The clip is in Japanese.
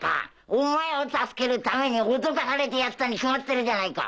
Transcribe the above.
お前を助けるために脅かされてやったに決まってるじゃないか。